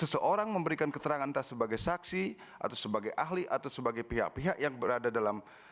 seseorang memberikan keterangan entah sebagai saksi atau sebagai ahli atau sebagai pihak pihak yang berada dalam